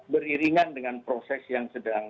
beriringan dengan proses yang sedang